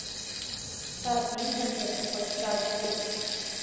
Саб иман даҽа ҟазшьакгьы.